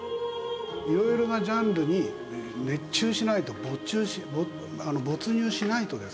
色々なジャンルに熱中しないと没入しないとですね